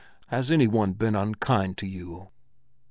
"Has any one been unkind to you?"